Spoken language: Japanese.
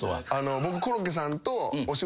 僕コロッケさんとお仕事